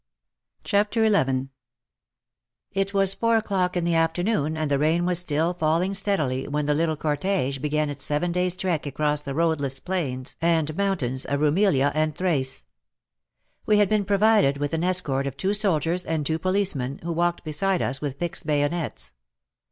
CHAPTER XI It was four o'clock in the afternoon, and the rain was still falling steadily when the little cortege began its seven days' trek across the roadless plains and mountains of Rumelia and Thrace. We had been provided with an escort of two soldiers and two policemen, v/ho walked beside us with fixed bayonets.